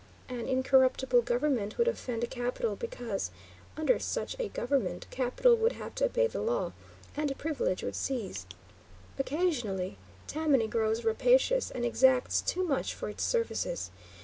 An incorruptible government would offend capital, because, under such a government, capital would have to obey the law, and privilege would cease. Occasionally, Tammany grows rapacious and exacts too much for its services.